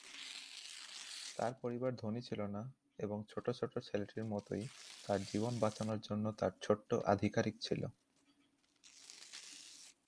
তার পরিবার ধনী ছিল না এবং ছোটো ছোটো ছেলেটির মতোই তার জীবন বাঁচানোর জন্য তার ছোট্ট আধিকারিক ছিল।